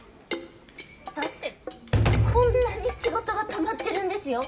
だってこんなに仕事がたまってるんですよ。